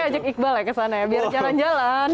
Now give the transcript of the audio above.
baiklah balik ke sana ya biar jalan jalan